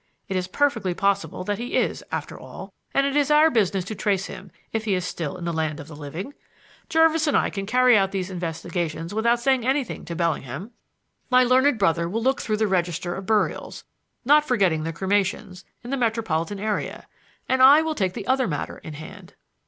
It is perfectly possible that he is, after all, and it is our business to trace him, if he is still in the land of the living. Jervis and I can carry out these investigations without saying anything to Bellingham; my learned brother will look through the register of burials not forgetting the cremations in the metropolitan area, and I will take the other matter in hand."